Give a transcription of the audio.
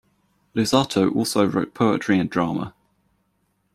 Luzzatto also wrote poetry and drama.